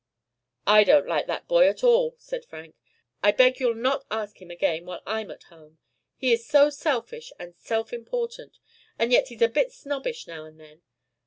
"I don't like that boy at all," said Frank. "I beg you'll not ask him again while I'm at home: he is so selfish and self important; and yet he's a bit snobbish now and then.